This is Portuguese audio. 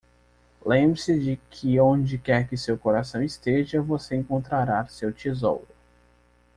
Lembre-se de que onde quer que seu coração esteja, você encontrará seu tesouro.